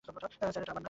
Sir, এটা আমার নয়।